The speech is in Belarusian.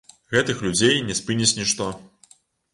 Гэтых людзей не спыніць нішто.